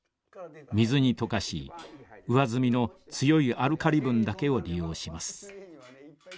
水に溶かし上澄みの強いアルカリ分だけを利用します。